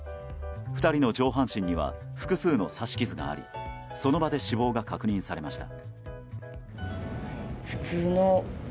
２人の上半身には複数の刺し傷がありその場で死亡が確認されました。